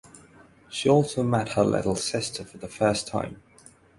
She also met her little sister for the first time.